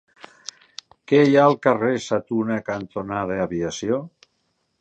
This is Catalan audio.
Què hi ha al carrer Sa Tuna cantonada Aviació?